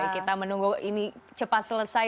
kita menunggu ini cepat selesai